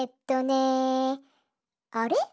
あれ？